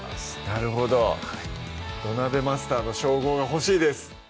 なるほど土鍋マスターの称号が欲しいです